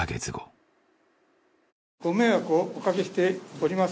ご迷惑をおかけしております